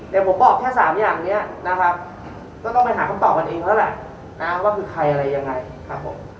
แต่ผมบอกแค่๓อย่างนี้นะครับก็ต้องไปหาคำตอบกันเองแล้วแหละนะว่าคือใครอะไรยังไงครับผม